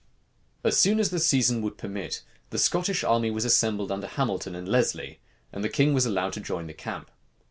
As soon as the season would permit, the Scottish army was assembled under Hamilton and Lesley; and the king was allowed to join the camp.